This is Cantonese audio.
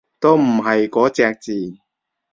都唔係嗰隻字